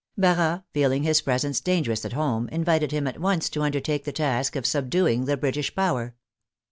Barras, feeling his presence dangerous at home, invited him at once to undertake the task of subduing the British power.